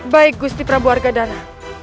baik gusti prabu arga dana